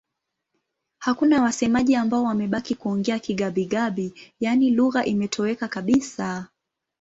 Hakuna wasemaji ambao wamebaki kuongea Kigabi-Gabi, yaani lugha imetoweka kabisa.